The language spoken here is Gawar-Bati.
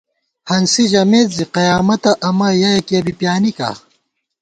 ہنسی ژَمېت زِی قیامَتہ امہ یَہ یَکِیہ بی پیانِکا